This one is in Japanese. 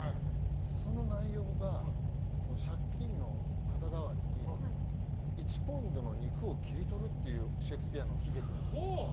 その内容が借金の肩代わりに１ポンドの肉を切り取るというシェイクスピアの喜劇があるんです。